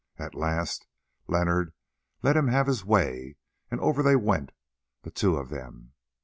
At last Leonard let him have his way, and over they went, the two of them.